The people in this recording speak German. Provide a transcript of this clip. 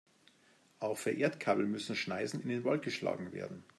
Auch für Erdkabel müssen Schneisen in den Wald geschlagen werden.